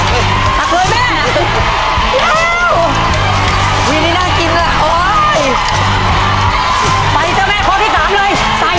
มากเลยแม่น่ากินละโอ้ยมันจึงเตอะแม่คนที่สามเลยใส่